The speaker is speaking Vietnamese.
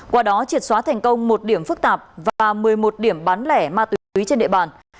qua đó triệt xóa thành công một điểm phức tạp và một mươi một điểm bán lẻ ma túy trên địa bàn